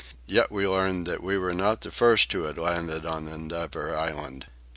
Yet we learned that we were not the first who had landed on Endeavour Island.